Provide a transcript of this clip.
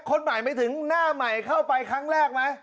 คนใหม่ไม่ถึงหน้าใหม่เข้าไปครั้งแรกไหม